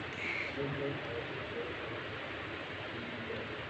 Ku mbo’ehaópe Che remimbo’e